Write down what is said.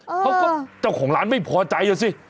เขาก็เจ้าของร้านไม่พอใจอ่ะสิ